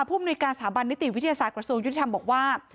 มนุยการสถาบันนิติวิทยาศาสตร์กระทรวงยุติธรรมบอกว่า